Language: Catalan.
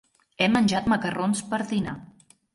He menjat macarrons per dinar.